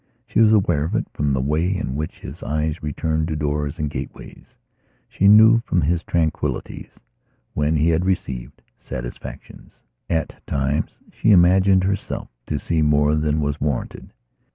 She was aware of it from the way in which his eyes returned to doors and gateways; she knew from his tranquillities when he had received satisfactions. At times she imagined herself to see more than was warranted.